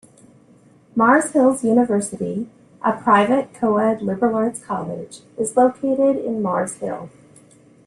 Mars Hill University, a private, coed, liberal-arts college, is located in Mars Hill.